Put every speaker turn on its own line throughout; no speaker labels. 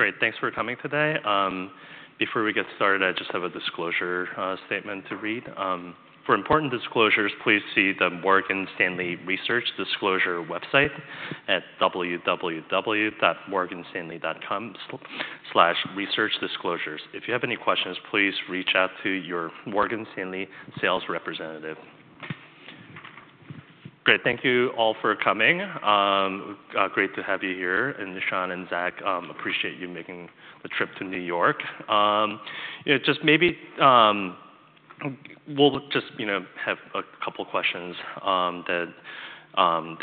Great. Thanks for coming today. Before we get started, I just have a disclosure statement to read. For important disclosures, please see the Morgan Stanley Research Disclosure website at www.morganstanley.com/researchdisclosures. If you have any questions, please reach out to your Morgan Stanley sales representative. Great, thank you all for coming. Great to have you here, and Sean and Zach, appreciate you making the trip to New York. Yeah, just maybe we'll just, you know, have a couple questions that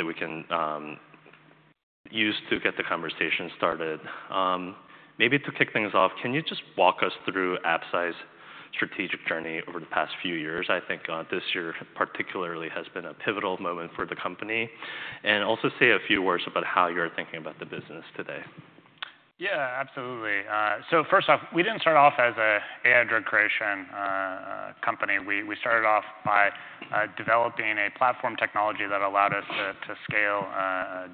we can use to get the conversation started. Maybe to kick things off, can you just walk us through Absci's strategic journey over the past few years? I think this year particularly has been a pivotal moment for the company, and also say a few words about how you're thinking about the business today.
Yeah, absolutely. So first off, we didn't start off as a AI drug creation company. We started off by developing a platform technology that allowed us to scale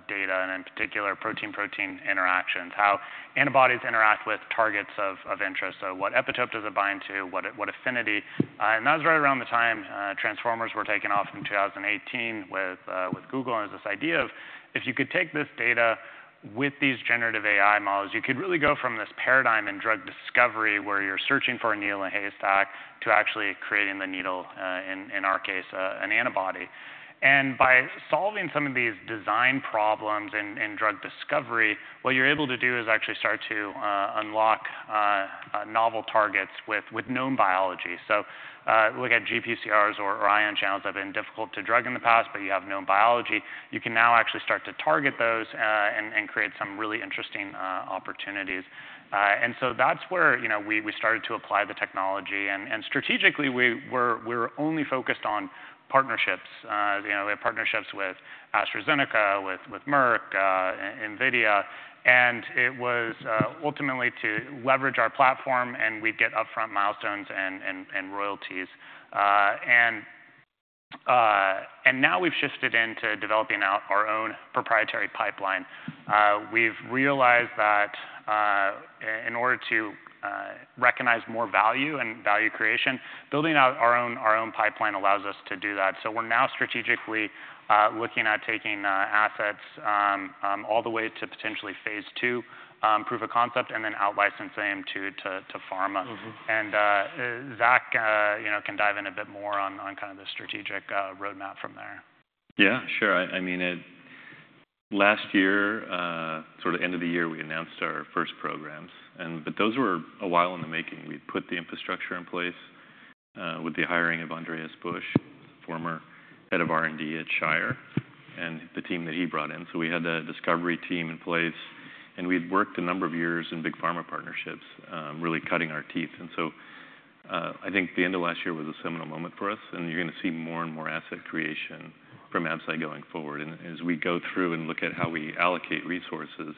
data, and in particular, protein-protein interactions. How antibodies interact with targets of interest. So what epitope does it bind to? What affinity? And that was right around the time transformers were taking off in 2018 with Google. And it was this idea of, if you could take this data with these generative AI models, you could really go from this paradigm in drug discovery, where you're searching for a needle in a haystack, to actually creating the needle, in our case, an antibody. And by solving some of these design problems in drug discovery, what you're able to do is actually start to unlock novel targets with known biology. So, look at GPCRs or ion channels that have been difficult to drug in the past, but you have known biology. You can now actually start to target those and create some really interesting opportunities. And so that's where, you know, we started to apply the technology, and strategically, we were only focused on partnerships. You know, we had partnerships with AstraZeneca, with Merck, NVIDIA, and it was ultimately to leverage our platform, and we'd get upfront milestones and royalties. And now we've shifted into developing out our own proprietary pipeline. We've realized that in order to recognize more value and value creation, building out our own pipeline allows us to do that. So we're now strategically looking at taking assets all the way to potentially Phase 2 proof of concept, and then out-licensing them to pharma.
Mm-hmm.
Zach, you know, can dive in a bit more on kind of the strategic roadmap from there.
Yeah, sure. I mean, last year, sort of end of the year, we announced our first programs, and but those were a while in the making. We'd put the infrastructure in place, with the hiring of Andreas Busch, former head of R&D at Shire, and the team that he brought in. So we had the discovery team in place, and we'd worked a number of years in big pharma partnerships, really cutting our teeth. And so, I think the end of last year was a seminal moment for us, and you're gonna see more and more asset creation from Absci going forward. And as we go through and look at how we allocate resources,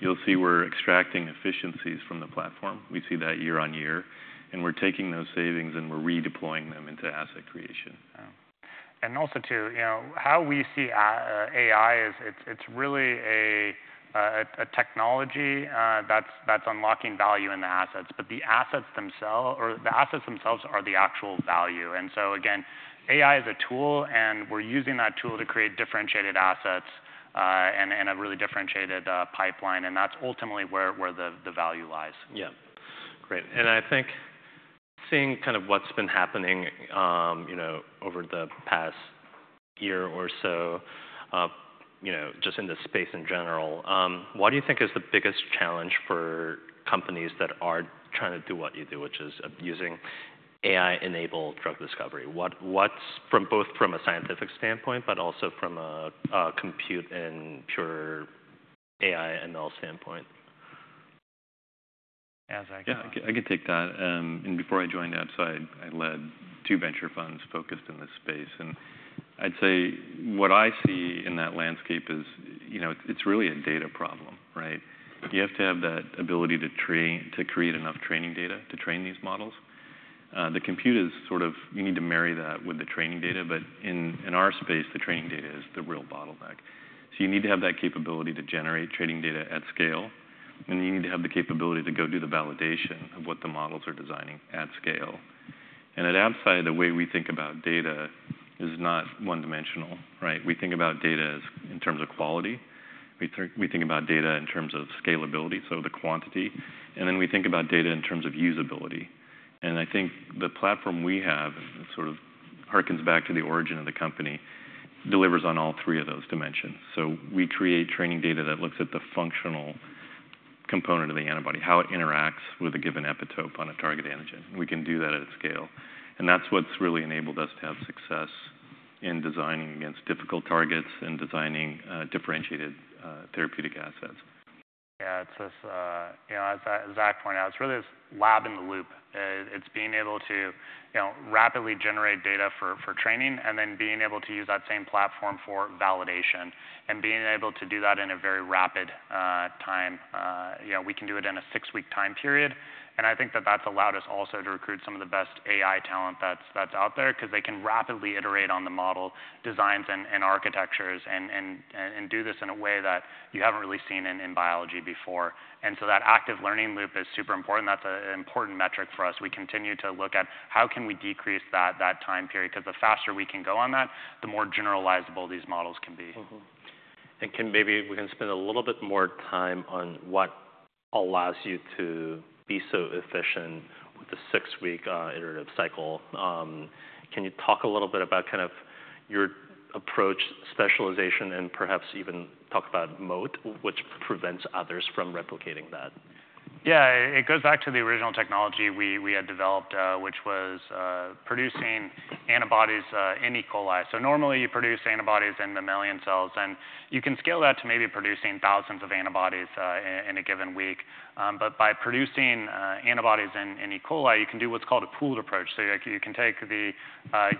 you'll see we're extracting efficiencies from the platform. We see that year on year, and we're taking those savings, and we're redeploying them into asset creation.
And also, too, you know, how we see AI is it's really a technology that's unlocking value in the assets. But the assets themselves are the actual value. And so again, AI is a tool, and we're using that tool to create differentiated assets and a really differentiated pipeline, and that's ultimately where the value lies.
Yeah. Great. And I think seeing kind of what's been happening, you know, over the past year or so, you know, just in the space in general, what do you think is the biggest challenge for companies that are trying to do what you do, which is using AI-enabled drug discovery? What's from both a scientific standpoint, but also from a compute and pure AI and ML standpoint? Zach-
Yeah, I can take that, and before I joined Absci, I led two venture funds focused in this space, and I'd say what I see in that landscape is, you know, it's really a data problem, right? You have to have the ability to create enough training data to train these models. The compute is sort of, you need to marry that with the training data, but in our space, the training data is the real bottleneck. So you need to have that capability to generate training data at scale, and you need to have the capability to go do the validation of what the models are designing at scale. And at Absci, the way we think about data is not one-dimensional, right? We think about data as in terms of quality. We think about data in terms of scalability, so the quantity, and then we think about data in terms of usability, and I think the platform we have, it sort of harkens back to the origin of the company, delivers on all three of those dimensions, so we create training data that looks at the functional component of the antibody, how it interacts with a given epitope on a target antigen. We can do that at scale, and that's what's really enabled us to have success in designing against difficult targets and designing differentiated therapeutic assets.
Yeah, it's, you know, as Zach pointed out, it's really this lab in the loop. It's being able to, you know, rapidly generate data for training and then being able to use that same platform for validation, and being able to do that in a very rapid time. You know, we can do it in a six-week time period, and I think that that's allowed us also to recruit some of the best AI talent that's out there because they can rapidly iterate on the model designs and architectures and do this in a way that you haven't really seen in biology before. And so that active learning loop is super important. That's an important metric for us. We continue to look at how can we decrease that, that time period, 'cause the faster we can go on that, the more generalizable these models can be.
Mm-hmm. And can maybe we can spend a little bit more time on what allows you to be so efficient with the six-week iterative cycle. Can you talk a little bit about kind of your approach, specialization, and perhaps even talk about moat, which prevents others from replicating that?
Yeah, it goes back to the original technology we had developed, which was producing antibodies in E. coli. So normally, you produce antibodies in mammalian cells, and you can scale that to maybe producing thousands of antibodies in a given week. But by producing antibodies in E. coli, you can do what's called a pooled approach. So, like, you can take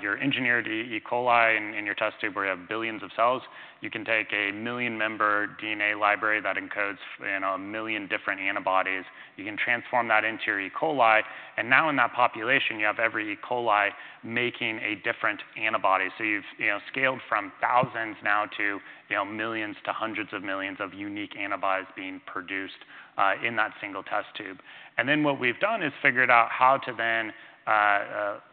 your engineered E. coli in your test tube, where you have billions of cells. You can take a million-member DNA library that encodes, you know, a million different antibodies. You can transform that into your E. coli, and now in that population, you have every E. coli making a different antibody. So you've, you know, scaled from thousands now to, you know, millions to hundreds of millions of unique antibodies being produced in that single test tube. And then, what we've done is figured out how to then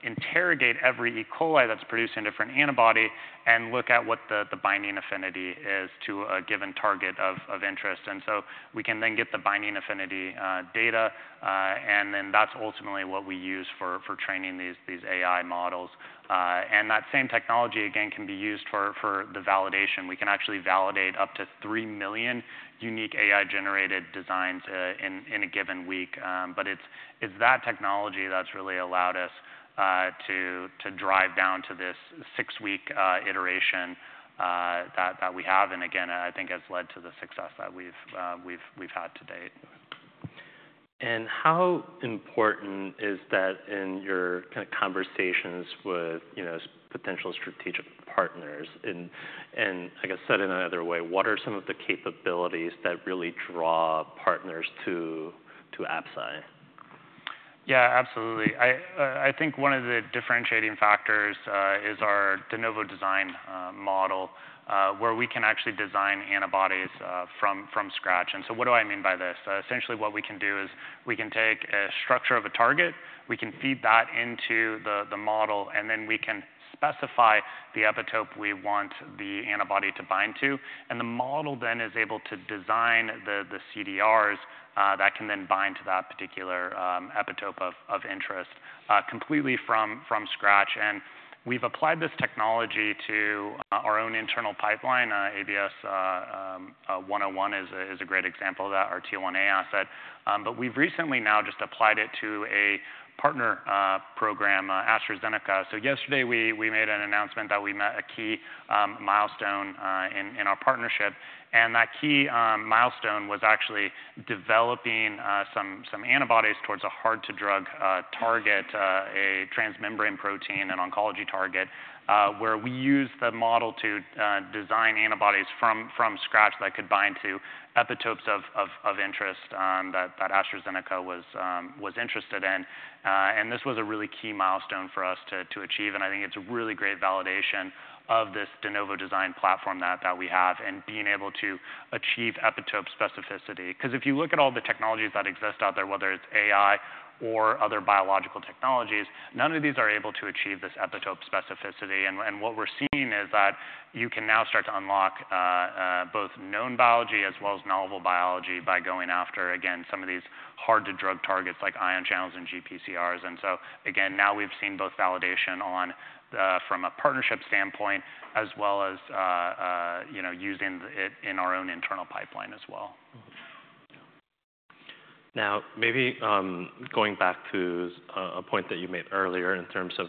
interrogate every E. coli that's producing a different antibody and look at what the binding affinity is to a given target of interest. And so we can then get the binding affinity data, and then that's ultimately what we use for training these AI models. And that same technology, again, can be used for the validation. We can actually validate up to three million unique AI-generated designs in a given week. But it's that technology that's really allowed us to drive down to this six-week iteration that we have, and again, I think has led to the success that we've had to date.
How important is that in your kind of conversations with, you know, potential strategic partners? And I guess said in another way, what are some of the capabilities that really draw partners to Absci?
Yeah, absolutely. I think one of the differentiating factors is our de novo design model where we can actually design antibodies from scratch. And so what do I mean by this? Essentially, what we can do is we can take a structure of a target, we can feed that into the model, and then we can specify the epitope we want the antibody to bind to, and the model then is able to design the CDRs that can then bind to that particular epitope of interest completely from scratch. And we've applied this technology to our own internal pipeline. ABS-101 is a great example of that, our TL1A asset. But we've recently now just applied it to a partner program, AstraZeneca. So yesterday, we made an announcement that we met a key milestone in our partnership, and that key milestone was actually developing some antibodies towards a hard to drug target, a transmembrane protein, an oncology target, where we used the model to design antibodies from scratch that could bind to epitopes of interest that AstraZeneca was interested in. And this was a really key milestone for us to achieve, and I think it's a really great validation of this de novo design platform that we have, and being able to achieve epitope specificity. 'Cause if you look at all the technologies that exist out there, whether it's AI or other biological technologies, none of these are able to achieve this epitope specificity. What we're seeing is that you can now start to unlock both known biology as well as knowable biology by going after, again, some of these hard-to-drug targets, like ion channels and GPCRs. And so, again, now we've seen both validation on from a partnership standpoint as well as, you know, using it in our own internal pipeline as well.
Mm-hmm. Now, maybe, going back to a point that you made earlier in terms of,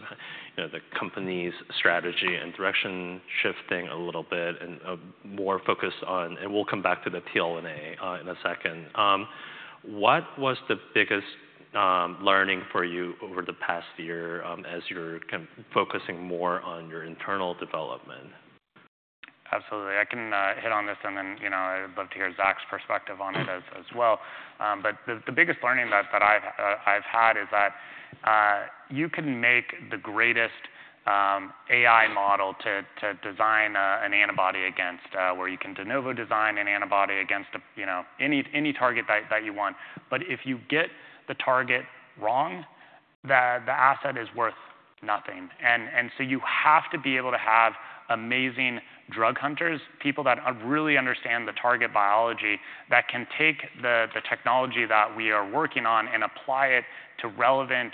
you know, the company's strategy and direction shifting a little bit and, more focus on... And we'll come back to the TL1A in a second. What was the biggest learning for you over the past year as you're kind of focusing more on your internal development?
Absolutely. I can hit on this, and then, you know, I'd love to hear Zach's perspective on it as well. But the biggest learning that I've had is that you can make the greatest AI model to design an antibody against where you can de novo design an antibody against a, you know, any target that you want, but if you get the target wrong, the asset is worth nothing. And so you have to be able to have amazing drug hunters, people that really understand the target biology, that can take the technology that we are working on and apply it to relevant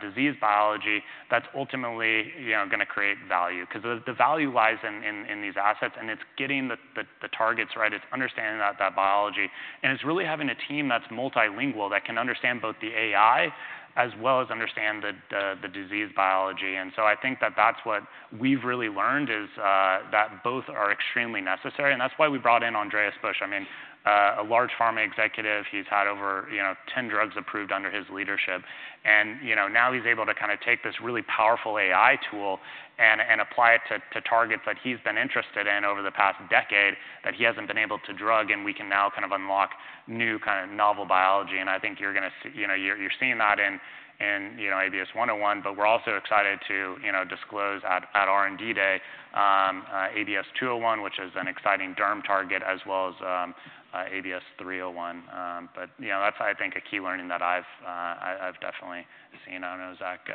disease biology that's ultimately, you know, gonna create value. 'Cause the value lies in these assets, and it's getting the targets right. It's understanding that biology, and it's really having a team that's multilingual, that can understand both the AI as well as understand the disease biology. And so I think that's what we've really learned is that both are extremely necessary, and that's why we brought in Andreas Busch. I mean, a large pharma executive, he's had over, you know, 10 drugs approved under his leadership, and, you know, now he's able to kind of take this really powerful AI tool and apply it to targets that he's been interested in over the past decade that he hasn't been able to drug, and we can now kind of unlock new kind of novel biology. And I think you're gonna see, you know, you're seeing that in, you know, ABS-101, but we're also excited to, you know, disclose at R&D Day, ABS-201, which is an exciting derm target, as well as ABS-301. But, you know, that's, I think, a key learning that I've definitely seen. I don't know, Zach.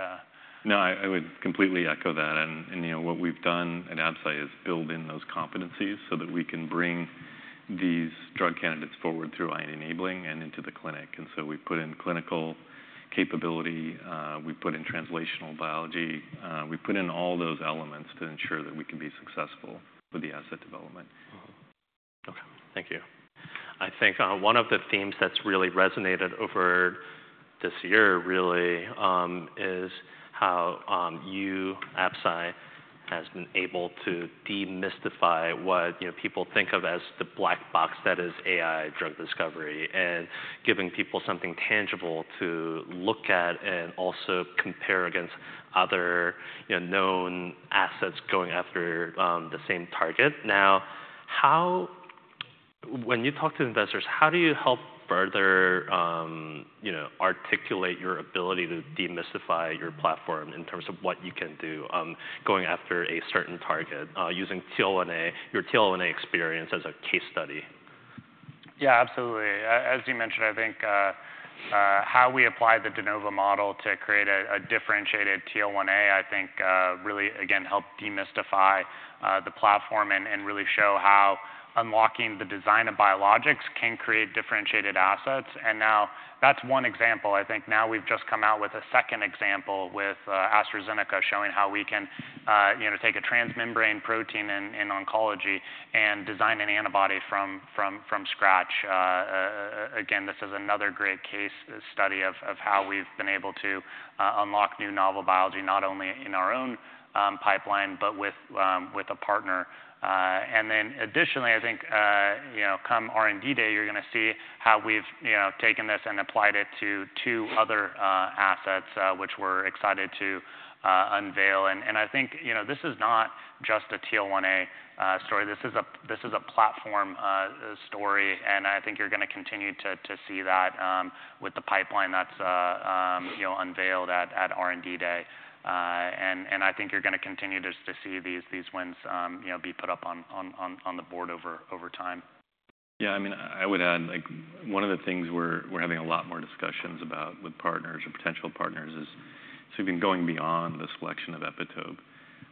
No, I would completely echo that. You know, what we've done at Absci is build in those competencies so that we can bring these drug candidates forward through IND-enabling and into the clinic. So we've put in clinical capability. We've put in translational biology. We've put in all those elements to ensure that we can be successful with the asset development.
Mm-hmm. Okay, thank you. I think one of the themes that's really resonated over this year really is how you, Absci, has been able to demystify what, you know, people think of as the black box that is AI drug discovery, and giving people something tangible to look at and also compare against other, you know, known assets going after the same target. Now, how, when you talk to investors, how do you help further, you know, articulate your ability to demystify your platform in terms of what you can do going after a certain target using TL1A, your TL1A experience as a case study?
Yeah, absolutely. As you mentioned, I think, how we applied the de novo model to create a differentiated TL1A, I think, really, again, helped demystify the platform and really show how unlocking the design of biologics can create differentiated assets. And now, that's one example. I think now we've just come out with a second example with AstraZeneca, showing how we can, you know, take a transmembrane protein in oncology and design an antibody from scratch. Again, this is another great case study of how we've been able to unlock new novel biology, not only in our own pipeline, but with a partner. And then additionally, I think, you know, come R&D Day, you're gonna see how we've, you know, taken this and applied it to two other assets, which we're excited to unveil. And I think, you know, this is not just a TL1A story, this is a platform story, and I think you're gonna continue to see that with the pipeline that's, you know, unveiled at R&D Day. And I think you're gonna continue to see these wins, you know, be put up on the board over time.
Yeah, I mean, I would add, like, one of the things we're having a lot more discussions about with partners or potential partners is sort of even going beyond the selection of epitope.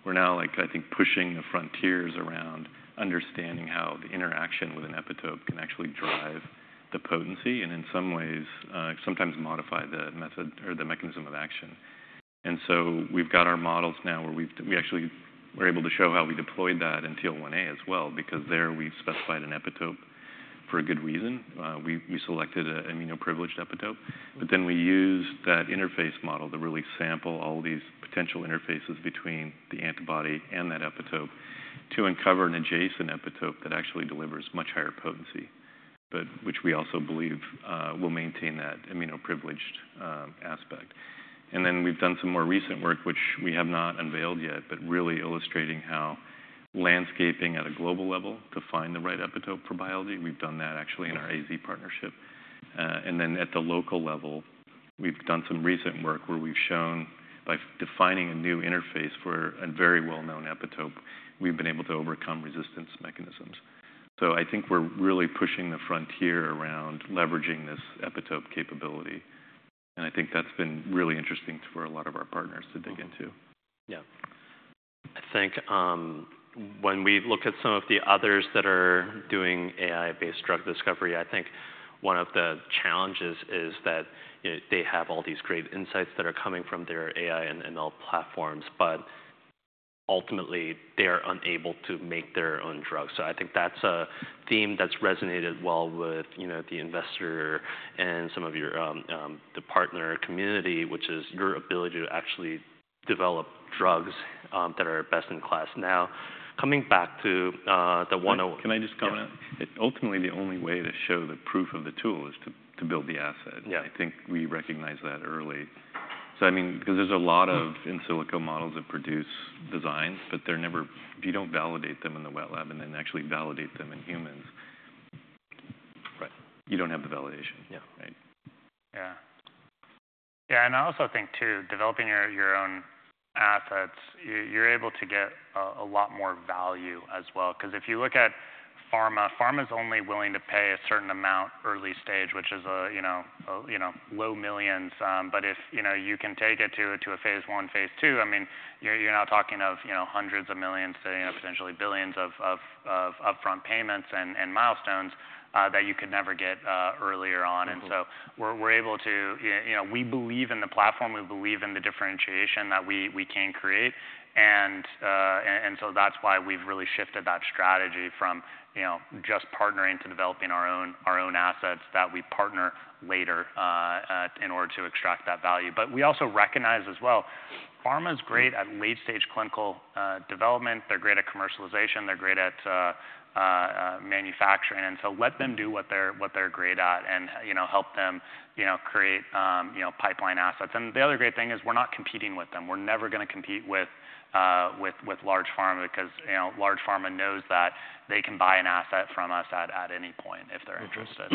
We're now, like, I think, pushing the frontiers around understanding how the interaction with an epitope can actually drive the potency, and in some ways, sometimes modify the method or the mechanism of action. And so we've got our models now where we actually were able to show how we deployed that in TL1A as well, because there, we've specified an epitope for a good reason. We selected an immunoprivileged epitope, but then we used that interface model to really sample all these potential interfaces between the antibody and that epitope to uncover an adjacent epitope that actually delivers much higher potency, but which we also believe will maintain that immunoprivileged aspect, and then we've done some more recent work, which we have not unveiled yet, but really illustrating how landscaping at a global level to find the right epitope for biology, we've done that actually in our AZ partnership, and then at the local level, we've done some recent work where we've shown by defining a new interface for a very well-known epitope, we've been able to overcome resistance mechanisms, so I think we're really pushing the frontier around leveraging this epitope capability, and I think that's been really interesting for a lot of our partners to dig into.
Mm-hmm. Yeah. I think, when we look at some of the others that are doing AI-based drug discovery, I think one of the challenges is that, you know, they have all these great insights that are coming from their AI and ML platforms, but ultimately, they are unable to make their own drugs. So I think that's a theme that's resonated well with, you know, the investor and some of your, the partner community, which is your ability to actually develop drugs, that are best in class. Now, coming back to, the IO-
Can I just comment?
Yeah.
Ultimately, the only way to show the proof of the tool is to build the asset.
Yeah.
I think we recognized that early. So I mean, because there's a lot of in silico models that produce designs, but they're never... If you don't validate them in the wet lab and then actually validate them in humans-
Right...
you don't have the validation.
Yeah.
Right.
Yeah. Yeah, and I also think, too, developing your own assets, you're able to get a lot more value as well. Because if you look at pharma, pharma's only willing to pay a certain amount early stage, which is, you know, low millions. But if, you know, you can take it to a Phase 1, Phase 2, I mean, you're now talking of, you know, hundreds of millions to, you know, potentially billions of upfront payments and milestones that you could never get earlier on.
Mm-hmm.
And so we're able to, you know, we believe in the platform, we believe in the differentiation that we can create, and so that's why we've really shifted that strategy from, you know, just partnering to developing our own assets that we partner later in order to extract that value. But we also recognize as well, pharma's great at late-stage clinical development, they're great at commercialization, they're great at manufacturing. And so let them do what they're great at, and, you know, help them, you know, create, you know, pipeline assets. And the other great thing is, we're not competing with them. We're never gonna compete with large pharma, because, you know, large pharma knows that they can buy an asset from us at any point if they're interested....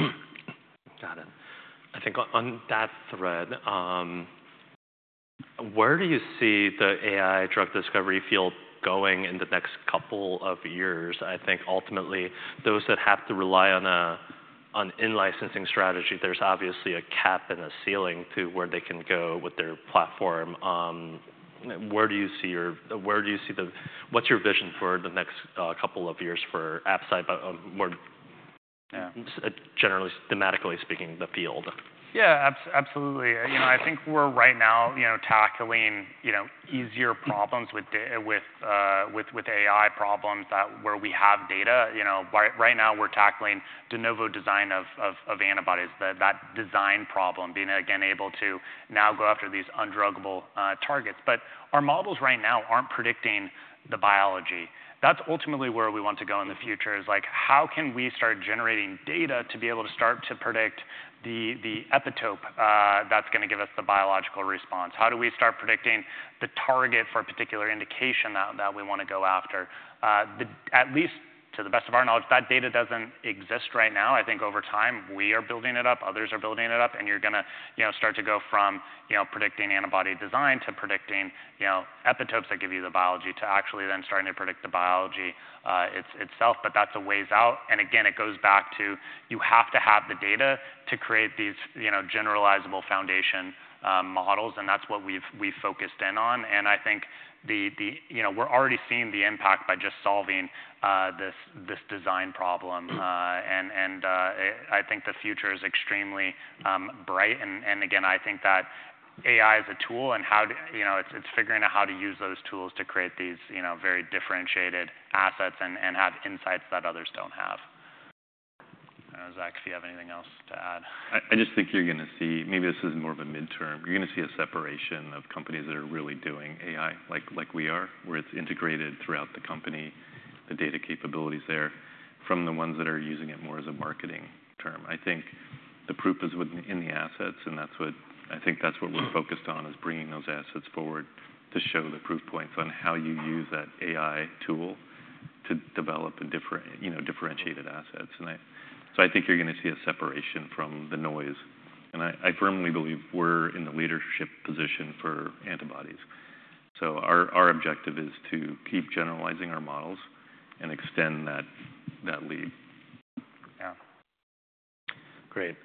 Got it. I think on that thread, where do you see the AI drug discovery field going in the next couple of years? I think ultimately, those that have to rely on an in-licensing strategy, there's obviously a cap and a ceiling to where they can go with their platform. Where do you see-- what's your vision for the next couple of years for Absci, but more-
Yeah
generally, thematically speaking, the field?
Yeah, absolutely. You know, I think we're right now, you know, tackling, you know, easier problems with data with AI problems that where we have data. You know, right now we're tackling de novo design of antibodies. That design problem, being again, able to now go after these undruggable targets. But our models right now aren't predicting the biology. That's ultimately where we want to go in the future, is like, how can we start generating data to be able to start to predict the epitope that's gonna give us the biological response? How do we start predicting the target for a particular indication that we wanna go after? At least to the best of our knowledge, that data doesn't exist right now. I think over time, we are building it up, others are building it up, and you're gonna, you know, start to go from, you know, predicting antibody design to predicting, you know, epitopes that give you the biology, to actually then starting to predict the biology, itself. But that's a ways out, and again, it goes back to, you have to have the data to create these, you know, generalizable foundation models, and that's what we've focused in on. I think we're already seeing the impact by just solving this design problem. I think the future is extremely bright. And again, I think that AI is a tool, and how to... You know, it's figuring out how to use those tools to create these, you know, very differentiated assets and have insights that others don't have. Zach, if you have anything else to add?
I just think you're gonna see, maybe this is more of a midterm, you're gonna see a separation of companies that are really doing AI, like we are, where it's integrated throughout the company, the data capabilities there, from the ones that are using it more as a marketing term. I think the proof is within the assets, and that's what we're focused on, is bringing those assets forward to show the proof points on how you use that AI tool to develop a different, you know, differentiated assets, and so I think you're gonna see a separation from the noise, and I firmly believe we're in the leadership position for antibodies, so our objective is to keep generalizing our models and extend that lead.
Yeah.
Great.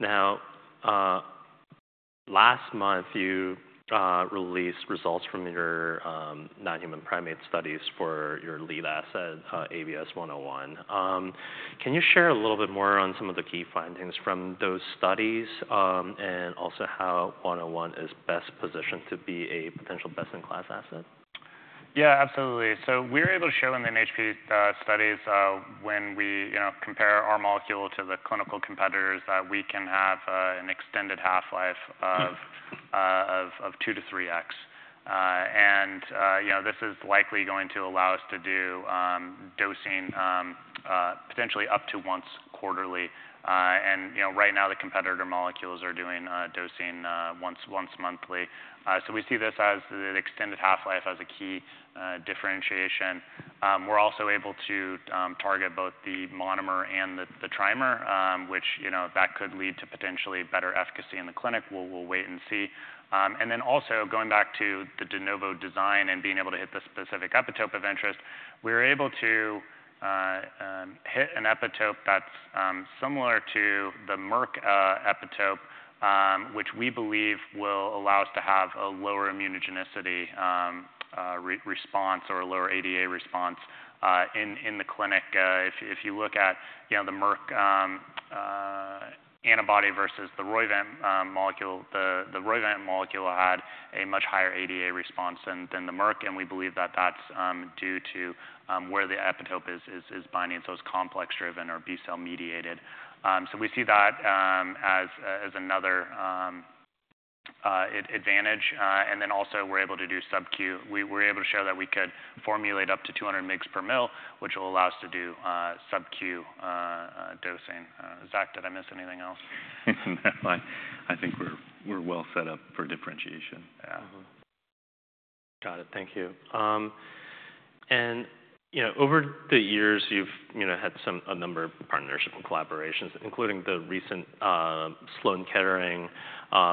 Now, last month, you released results from your non-human primate studies for your lead asset, ABS-101. Can you share a little bit more on some of the key findings from those studies, and also how ABS-101 is best positioned to be a potential best-in-class asset?
Yeah, absolutely. So we're able to show in the NHP studies, when we, you know, compare our molecule to the clinical competitors, that we can have an extended half-life of two to three X. And, you know, this is likely going to allow us to do dosing potentially up to once quarterly. And, you know, right now, the competitor molecules are doing dosing once monthly. So we see this as an extended half-life as a key differentiation. We're also able to target both the monomer and the trimer, which, you know, that could lead to potentially better efficacy in the clinic. We'll wait and see. And then also, going back to the de novo design and being able to hit the specific epitope of interest, we were able to hit an epitope that's similar to the Merck epitope, which we believe will allow us to have a lower immunogenicity response or a lower ADA response in the clinic. If you look at, you know, the Merck antibody versus the Roivant molecule, the Roivant molecule had a much higher ADA response than the Merck, and we believe that that's due to where the epitope is binding, so it's complex-driven or B-cell mediated. So we see that as another advantage. And then also, we're able to do subcu. We're able to show that we could formulate up to 200 mg per mL, which will allow us to do subcu dosing. Zach, did I miss anything else?
No, I think we're well set up for differentiation.
Yeah.
Mm-hmm. Got it. Thank you. And you know, over the years, you've, you know, had a number of partnerships and collaborations, including the recent Sloan Kettering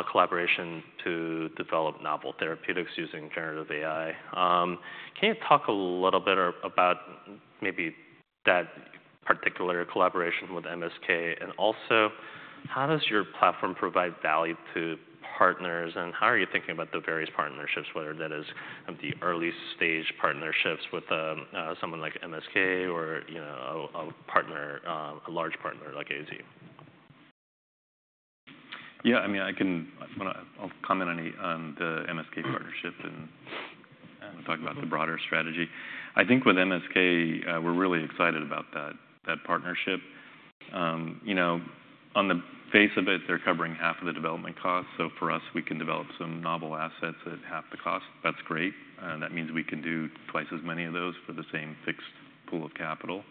collaboration to develop novel therapeutics using generative AI. Can you talk a little bit about maybe that particular collaboration with MSK? And also, how does your platform provide value to partners, and how are you thinking about the various partnerships, whether that is of the early stage partnerships with someone like MSK or, you know, a partner, a large partner like AZ?
Yeah, I mean, I can... Well, I'll comment on the MSK partnership and-
Mm-hmm...
talk about the broader strategy. I think with MSK, we're really excited about that partnership. You know, on the face of it, they're covering half of the development cost. So for us, we can develop some novel assets at half the cost. That's great, and that means we can do twice as many of those for the same fixed pool of capital.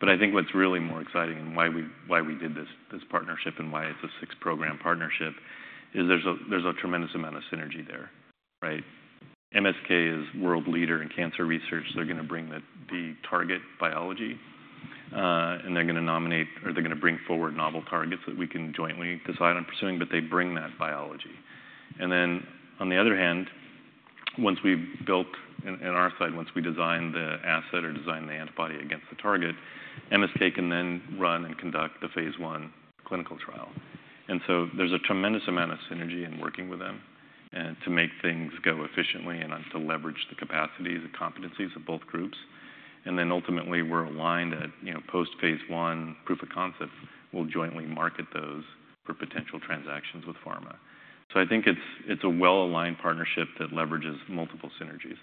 But I think what's really more exciting and why we did this partnership, and why it's a six-program partnership, is there's a tremendous amount of synergy there, right? MSK is world leader in cancer research. They're gonna bring the target biology, and they're gonna nominate or they're gonna bring forward novel targets that we can jointly decide on pursuing, but they bring that biology. And then, on the other hand, once we've built in our side, once we design the asset or design the antibody against the target, MSK can then run and conduct the Phase 1 clinical trial. And so there's a tremendous amount of synergy in working with them to make things go efficiently and to leverage the capacities and competencies of both groups. And then ultimately, we're aligned at, you know, post Phase 1 proof of concept, we'll jointly market those for potential transactions with pharma. So I think it's a well-aligned partnership that leverages multiple synergies.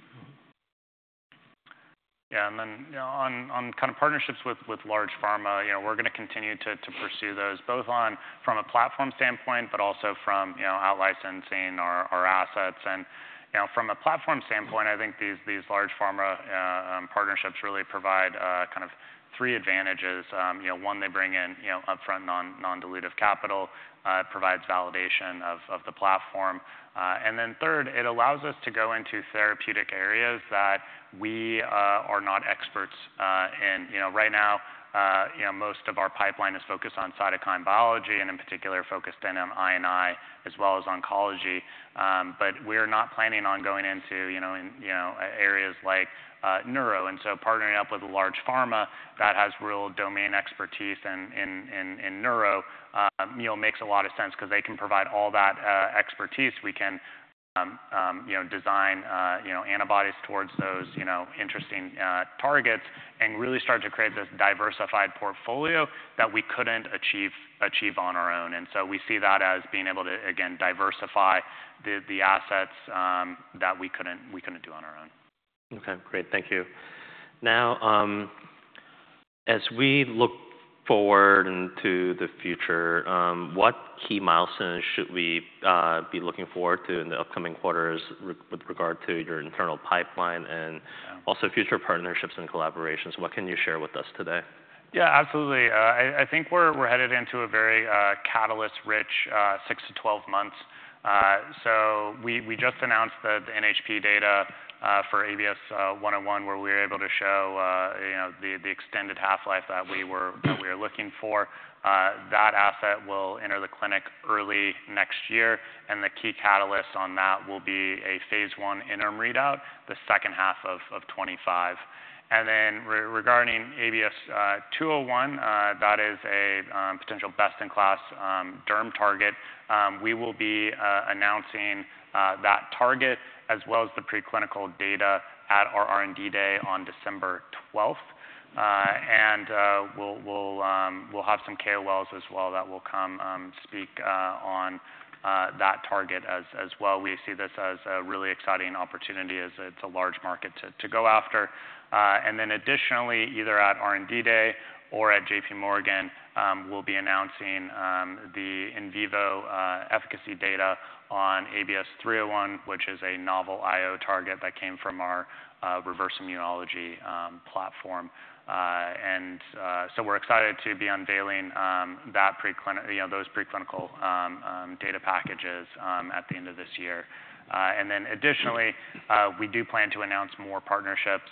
Yeah, and then, you know, on kind of partnerships with large pharma, you know, we're gonna continue to pursue those, both on from a platform standpoint, but also from, you know, out licensing our assets. And, you know, from a platform standpoint, I think these large pharma partnerships really provide kind of three advantages. You know, one, they bring in, you know, upfront non-dilutive capital. It provides validation of the platform. And then third, it allows us to go into therapeutic areas that we are not experts in. You know, right now, you know, most of our pipeline is focused on cytokine biology, and in particular, focused in on I&I as well as oncology. But we're not planning on going into, you know, in, you know, areas like neuro. And so partnering up with a large pharma that has real domain expertise in neuro, you know, makes a lot of sense 'cause they can provide all that expertise. We can, you know, design, you know, antibodies towards those, you know, interesting targets and really start to create this diversified portfolio that we couldn't achieve on our own. And so we see that as being able to, again, diversify the assets that we couldn't do on our own.
Okay, great. Thank you. Now, as we look forward into the future, what key milestones should we be looking forward to in the upcoming quarters with regard to your internal pipeline and-
Yeah...
also future partnerships and collaborations? What can you share with us today?
Yeah, absolutely. I think we're headed into a very catalyst-rich six to 12 months. So we just announced the NHP data for ABS-101, where we were able to show, you know, the extended half-life that we were looking for. That asset will enter the clinic early next year, and the key catalyst on that will be a Phase 1 interim readout, the second half of 2025. Then regarding ABS-201, that is a potential best-in-class derm target. We will be announcing that target, as well as the preclinical data at our R&D Day on December twelfth. And we'll have some KOLs as well that will come speak on that target as well. We see this as a really exciting opportunity, as it's a large market to go after. Then additionally, either at R&D Day or at J.P. Morgan, we'll be announcing the in vivo efficacy data on ABS-301, which is a novel IO target that came from our Reverse Immunology platform. So we're excited to be unveiling that, you know, those preclinical data packages at the end of this year. Then additionally, we do plan to announce more partnerships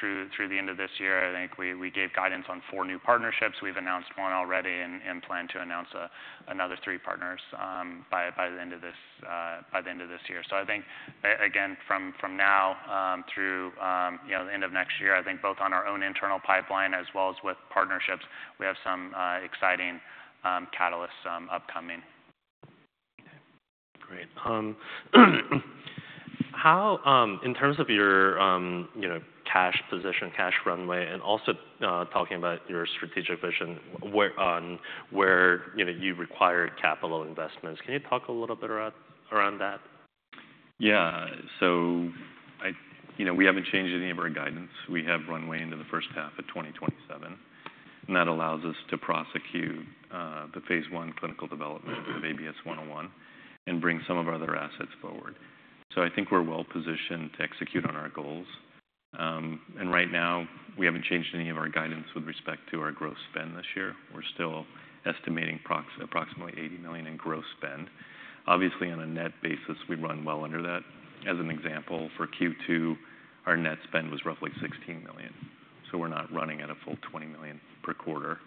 through the end of this year. I think we gave guidance on four new partnerships. We've announced one already and plan to announce another three partners by the end of this year. So I think again, from now through, you know, the end of next year, I think both on our own internal pipeline as well as with partnerships, we have some exciting catalysts upcoming.
Great. How in terms of your you know, cash position, cash runway, and also talking about your strategic vision, where you know you require capital investments, can you talk a little bit around that?
Yeah, so you know, we haven't changed any of our guidance. We have runway into the first half of 2027, and that allows us to prosecute the Phase I clinical development of ABS-101 and bring some of our other assets forward, so I think we're well positioned to execute on our goals and right now, we haven't changed any of our guidance with respect to our gross spend this year. We're still estimating approximately $80 million in gross spend. Obviously, on a net basis, we run well under that. As an example, for Q2, our net spend was roughly $16 million, so we're not running at a full $20 million per quarter,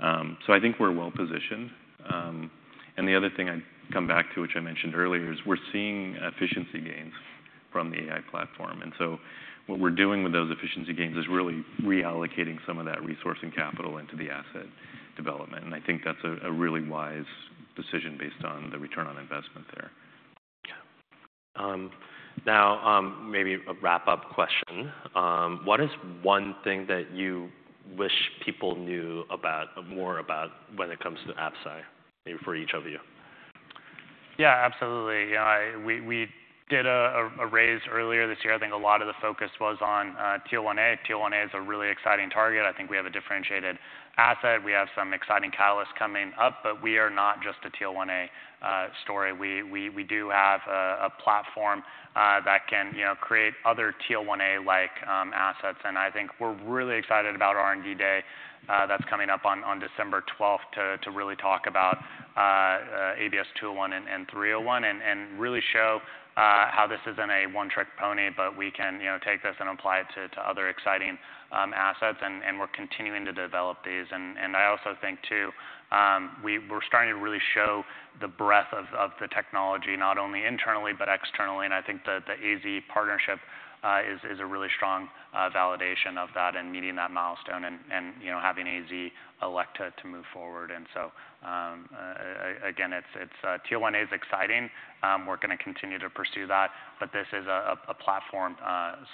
so I think we're well positioned, and the other thing I'd come back to, which I mentioned earlier, is we're seeing efficiency gains from the AI platform. And so what we're doing with those efficiency gains is really reallocating some of that resourcing capital into the asset development, and I think that's a really wise decision based on the return on investment there.
Yeah. Now, maybe a wrap-up question: What is one thing that you wish people knew about more about when it comes to Absci, maybe for each of you? ...
Yeah, absolutely. Yeah, I, we did a raise earlier this year. I think a lot of the focus was on TL1A. TL1A is a really exciting target. I think we have a differentiated asset. We have some exciting catalysts coming up, but we are not just a TL1A story. We do have a platform that can, you know, create other TL1A-like assets, and I think we're really excited about our R&D Day that's coming up on December twelfth to really talk about ABS-201 and ABS-301, and really show how this isn't a one-trick pony, but we can, you know, take this and apply it to other exciting assets, and we're continuing to develop these. I also think too, we're starting to really show the breadth of the technology, not only internally, but externally, and I think the AZ partnership is a really strong validation of that and meeting that milestone and, you know, having AZ elect to move forward. So, again, it's... TL1A is exciting. We're gonna continue to pursue that, but this is a platform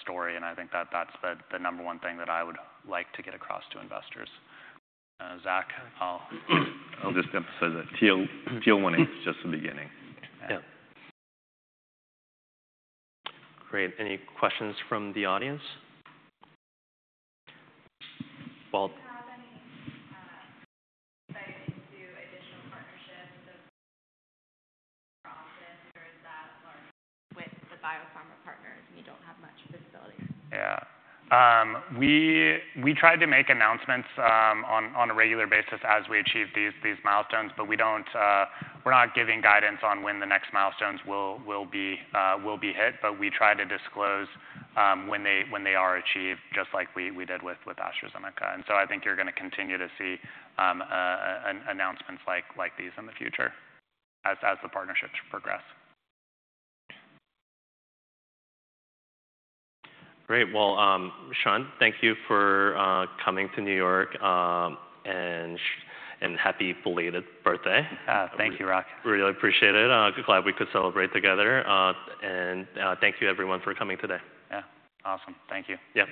story, and I think that that's the number one thing that I would like to get across to investors. Zach, I'll-
I'll just emphasize that TL1A is just the beginning.
Yeah.
Great. Any questions from the audience? Well- Do you have any insight into additional partnerships or is that with the biopharma partners, and you don't have much visibility?
Yeah. We try to make announcements on a regular basis as we achieve these milestones, but we don't. We're not giving guidance on when the next milestones will be hit, but we try to disclose when they are achieved, just like we did with AstraZeneca. And so I think you're gonna continue to see announcements like these in the future as the partnerships progress.
Great. Well, Sean, thank you for coming to New York, and happy belated birthday.
Ah, thank you, Rock.
Really appreciate it. Glad we could celebrate together, and thank you, everyone, for coming today.
Yeah. Awesome. Thank you.
Yep.